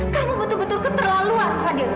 kamu betul betul keterlaluan hadir